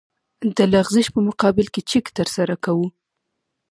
د لغزش په مقابل کې چک ترسره کوو